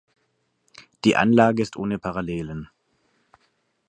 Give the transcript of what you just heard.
Die Anlage ist ohne Parallelen.